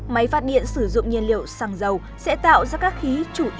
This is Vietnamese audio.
máy phát điện sử dụng nhiên liệu xăng dầu sẽ tạo ra các khí chủ yếu như co co hai